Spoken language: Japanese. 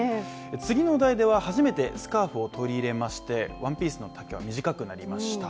次の代では初めてスカーフを取り入れましてワンピースの丈は短くなりました。